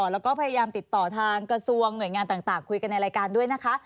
แล้วก็พยายามติดต่อทางกระทรวงหน่วยงานต่างคุยกันในรายการด้วยนะคะ